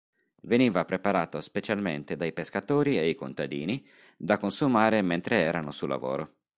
Veniva preparato specialmente dai pescatori e i contadini da consumare mentre erano sul lavoro.